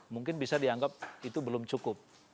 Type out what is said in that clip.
mungkin bisa dianggap itu belum cukup